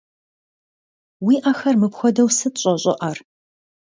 Уи ӏэхэр мыпхуэдэу сыт щӏэщӏыӏэр?